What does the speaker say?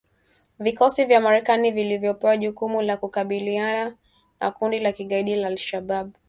Vikosi vya Marekani vilivyopewa jukumu la kukabiliana na kundi la kigaidi la al-Shabab